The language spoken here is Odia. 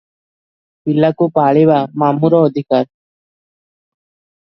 ପିଲାକୁ ପାଳିବା ମାମୁଁର ଅଧିକାର ।